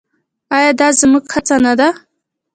آیا دا زموږ هڅه نه ده؟